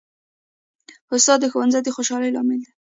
استاد د ښوونځي د خوشحالۍ لامل دی.